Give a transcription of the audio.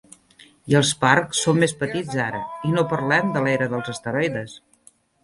I els parcs són més petits ara, i no parlem de l'era dels esteroides.